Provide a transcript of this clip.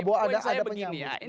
bahwa ada penyambung